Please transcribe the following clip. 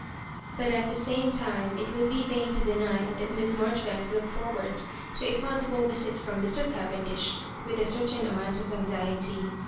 But at the same time it would be vain to deny that Miss Marjoribanks looked forward to a pos sible visit from Mr. Cavendish with a certain amount of anxiety.